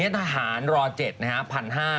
นี่ทหารรเจ็ดนะฮะพันห้า